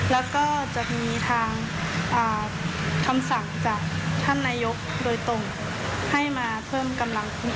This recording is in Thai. แล้วก็จะมีทางคำสั่งจากท่านนายกโดยตรงให้มาเพิ่มกำลัง